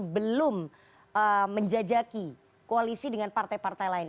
belum menjajaki koalisi dengan partai partai lain